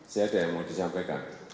saya ada yang mau disampaikan